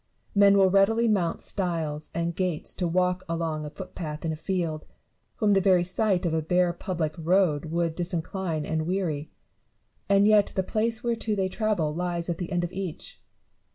Many will readily mount stiles and gates to walk along a footpath in a field, whom the very sight of a bare public road would disincline and weary ; and yet the place whereto they travel lies at the end of each.